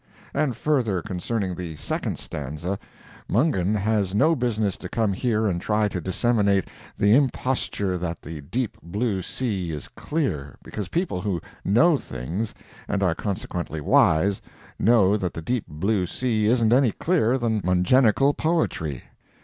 And further concerning the second stanza, Mungen has no business to come here and try to disseminate the imposture that the deep blue sea is clear, because people who know things and are consequently wise, know that the deep blue sea isn't any clearer than Mungenical poetry.